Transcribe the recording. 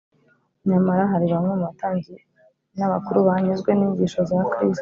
nyamara hari bamwe mu batambyi n’abakuru banyuzwe n’inyigisho za kristo,